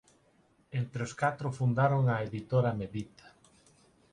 Entre os catro fundaron a Editora Medita.